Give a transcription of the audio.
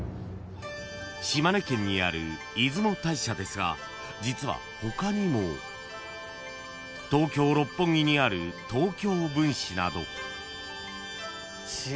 ［島根県にある出雲大社ですが実は他にも東京六本木にある東京分祠など］